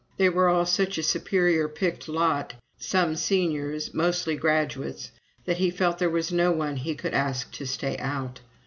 They were all such a superior picked lot, some seniors, mostly graduates, that he felt there was no one he could ask to stay out.